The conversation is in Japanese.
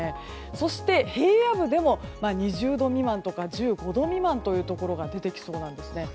そして、平野部でも２０度未満とか１５度未満というところが出てきそうなんですね。